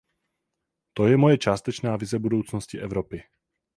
To je moje částečná vize budoucnosti Evropy.